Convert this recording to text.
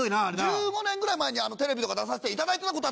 １５年ぐらい前にテレビとか出させていただいてた事あったんだよね？